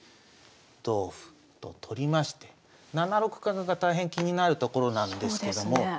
同歩と取りまして７六角が大変気になるところなんですけども。